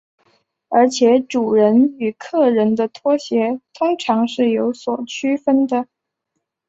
而且主人与客人的拖鞋通常是有所区分的。